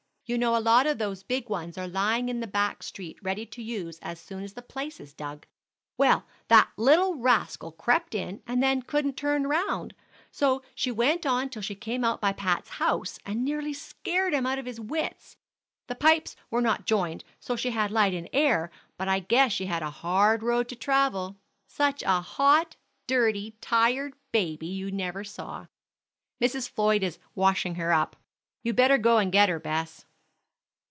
You know a lot of those big ones are lying in the back street ready to use as soon as the place is dug. Well, that little rascal crept in, and then couldn't turn round, so she went on till she came out by Pat's house, and nearly scared him out of his wits. The pipes were not joined, so she had light and air, but I guess she had a hard road to travel. Such a hot, dirty, tired baby you never saw. Mrs. Floyd is washing her up. You'd better go and get her, Bess."